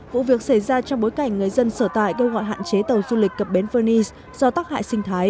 vụ việc xảy ra trong bối cảnh người dân sở tại kêu gọi hạn chế tàu du lịch cập bến venice do tắc hại sinh thái